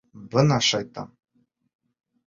Бына шайтан.